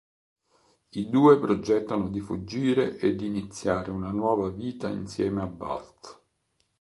I due progettano di fuggire ed iniziare una nuova vita insieme a Bath.